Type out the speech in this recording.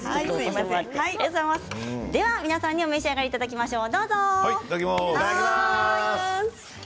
では皆さんに召し上がっていただきましょう。